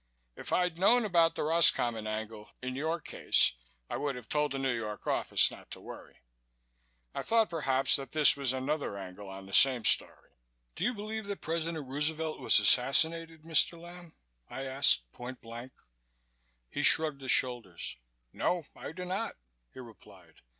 If I'd known about the Roscommon angle in your case I would have told the New York office not to worry. I thought perhaps that this was another angle on the same story." "Do you believe that President Roosevelt was assassinated, Mr. Lamb?" I asked, point blank. He shrugged his shoulders. "No, I do not," he replied.